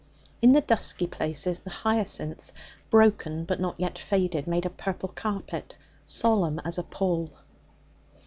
In the dusky places the hyacinths, broken but not yet faded, made a purple carpet, solemn as a pall.